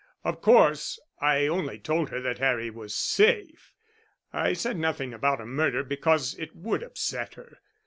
Of course I only told her that Harry was safe. I said nothing about a murder because it would upset her.